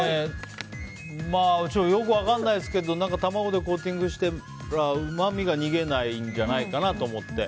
よく分からないですけど卵でコーティングしたらうまみが逃げないんじゃないかなと思って。